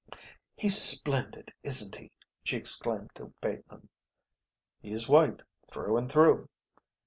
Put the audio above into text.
"He's splendid, isn't he?" she exclaimed to Bateman. "He's white, through and through."